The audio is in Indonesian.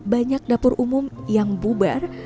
banyak dapur umum yang bubar